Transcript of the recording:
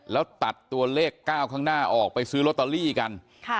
แล้วตัดตัวเลข๙ข้างหน้าออกไปซื้อลอตเตอรี่กัน